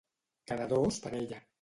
Cada dos, parella.